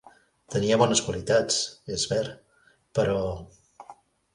Tenia bones qualitats, és ver, però...